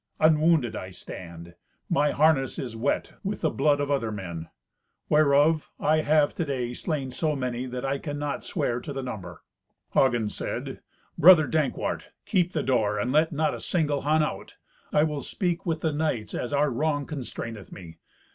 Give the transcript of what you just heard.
"Unwounded I stand. My harness is wet with the blood of other men, whereof I have to day slain so many, that I cannot swear to the number." Hagen said, "Brother Dankwart, keep the door, and let not a single Hun out; I will speak with the knights as our wrong constraineth me.